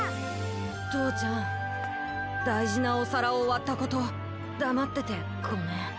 とうちゃんだいじなおさらをわったことだまっててごめん。